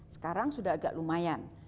sekarang sudah agak lumayan